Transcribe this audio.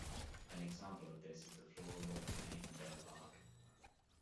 An example of this is the floral lawn in Avondale Park.